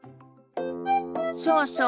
そうそう。